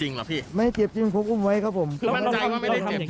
หลังจากนี้ยังอยากคบกับเมียอยู่เหมือนเดิมไหม